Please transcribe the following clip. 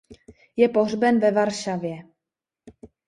Je pohřben ve Varšavě.